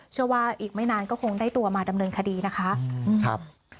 เชื่อว่าอีกไม่นานก็คงได้ตัวมาดำเนินคดีนะคะ